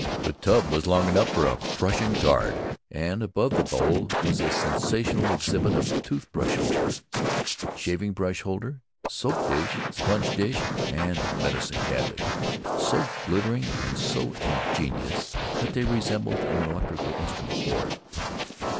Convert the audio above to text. The tub was long enough for a Prussian Guard, and above the set bowl was a sensational exhibit of tooth brush holder, shaving brush holder, soap dish, sponge dish, and medicine cabinet, so glittering and so ingenious that they resembled an electrical instrument board.